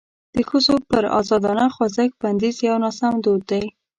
د ښځو پر ازادانه خوځښت بندیز یو ناسم دود دی.